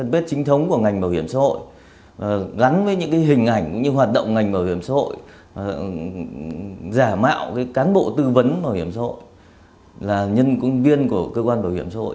bảo hiểm xã hội giả mạo cán bộ tư vấn bảo hiểm xã hội là nhân công viên của cơ quan bảo hiểm xã hội